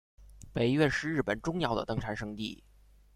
北岳是日本重要的登山圣地。